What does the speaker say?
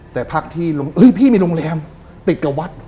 แต่พักที่พี่มีโรงแรมติดกับวัด